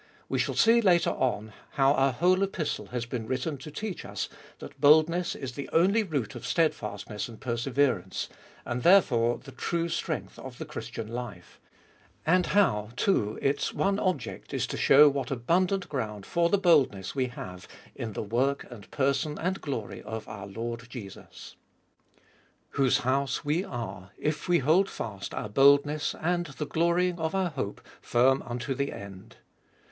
We shall see later on how our whole Epistle has been written to teach us that boldness is the only root of steadfast ness and perseverance, and therefore the true strength of the Christian life ; and how, too, its one object is to show what abundant ground for the boldness we have in the work and person and glory of our Lord Jesus. Whose house we are, if we hold fast our boldness and the glorying of our hope firm unto the end.